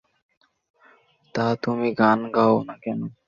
তা তুমি, গান গাও না কেন?